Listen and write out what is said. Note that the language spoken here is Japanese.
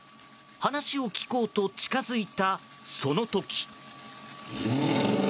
話を聞こうと近づいたその時。